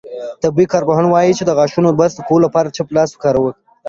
طبي کارپوهان وايي، چې د غاښونو د برس کولو لپاره چپ لاس کارول